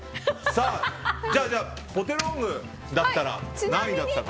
じゃあポテロングだったら何位だったのか。